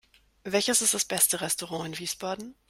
Welches ist das beste Restaurant in Wiesbaden?